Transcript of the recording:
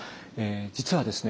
実はですね